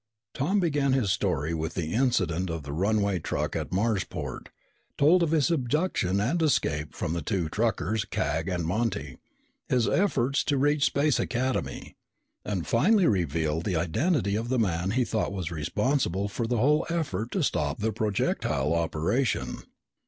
_" Tom began his story with the incident of the runaway truck at Marsport, told of his abduction and escape from the two truckers, Cag and Monty, his efforts to reach Space Academy, and finally revealed the identity of the man he thought was responsible for the whole effort to stop the projectile operation.